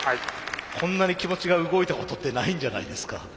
こんなに気持ちが動いたことってないんじゃないですか？